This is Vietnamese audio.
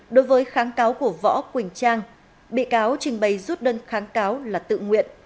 đối với kháng cáo của võ quỳnh trang bị cáo trình bày rút đơn kháng cáo là tự nguyện